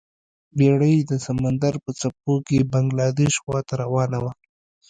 بیړۍ د سمندر په څپو کې بنګلادیش خواته روانه وه.